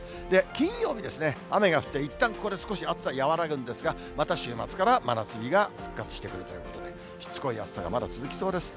金曜日ですね、雨が降って、いったんここで少し暑さ和らぐんですが、また週末から真夏日が復活してくるということで、しつこい暑さがまだ続きそうです。